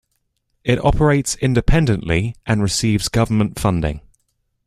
It operates independently, and receives government funding.